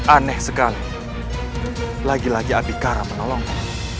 aneh sekali lagi lagi adhikara menolongmu